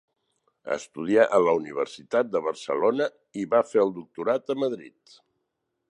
Estudià a la Universitat de Barcelona i va fer el doctorat a Madrid.